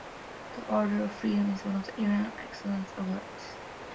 The "Order of Freedom" is one of the Iran Excellence awards.